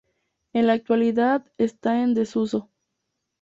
En la actualidad está en desuso.